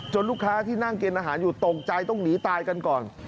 ลูกค้าที่นั่งกินอาหารอยู่ตกใจต้องหนีตายกันก่อน